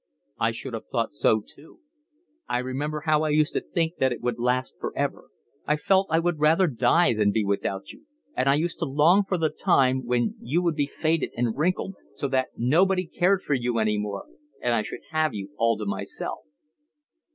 "I should have thought so too. I remember how I used to think that it would last for ever, I felt I would rather die than be without you, and I used to long for the time when you would be faded and wrinkled so that nobody cared for you any more and I should have you all to myself."